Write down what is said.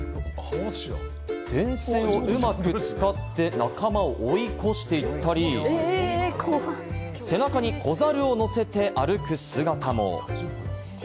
電線をうまく使って仲間を追い越していったり、背中に子ザルを乗せて歩く姿も。